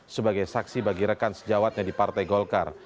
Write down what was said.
sebagai saksi bagi rekan sejawatnya di partai golkar